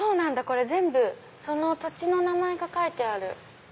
これ全部その土地の名前が書いてある。